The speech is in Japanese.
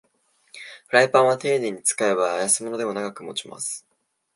フライパンはていねいに使えば安物でも長く持ちます